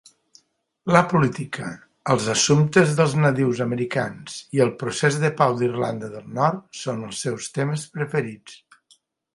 La política, els assumptes dels nadius americans i el procés de pau d'Irlanda del Nord són els seus temes preferits.